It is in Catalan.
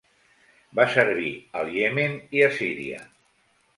Va servir al Iemen i a Síria.